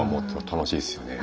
楽しいですね。